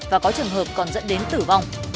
và có trường hợp còn dẫn đến tử vong